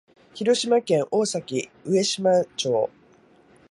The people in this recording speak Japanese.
広島県大崎上島町